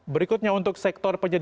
berikutnya untuk sektor penjajaran